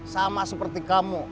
sama seperti kamu